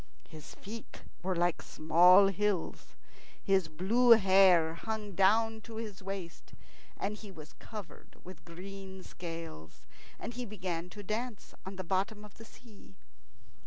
His feet were like small hills. His blue hair hung down to his waist, and he was covered with green scales. And he began to dance on the bottom of the sea.